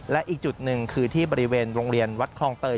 และอีกจุดหนึ่งคือที่บริเวณโรงเรียนวัดคลองเตย